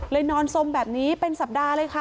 นอนสมแบบนี้เป็นสัปดาห์เลยค่ะ